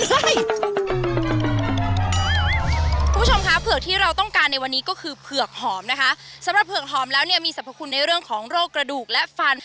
คุณผู้ชมคะเผือกที่เราต้องการในวันนี้ก็คือเผือกหอมนะคะสำหรับเผือกหอมแล้วเนี่ยมีสรรพคุณในเรื่องของโรคกระดูกและฟัน